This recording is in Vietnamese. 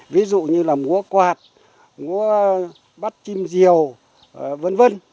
ví dụ như là múa quạt múa bắt chim diều v v